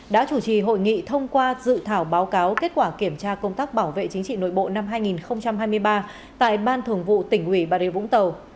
đã chủ trì hội nghị thông qua dự thảo báo cáo kết quả kiểm tra công tác bảo vệ chính trị nội bộ năm hai nghìn hai mươi ba tại ban thường vụ tỉnh ủy bà rịa vũng tàu